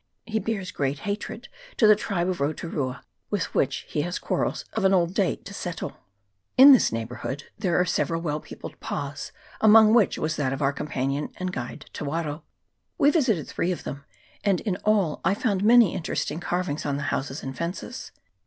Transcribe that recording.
He bears great hatred to the tribe of Roturua, with which he has quarrels of an old date to settle. In this neighbourhood there are several well peopled pas, amongst which was that of our com panion and guide Te Waro. We visited three of them, and in all I found many highly interesting carvings on the houses and fences.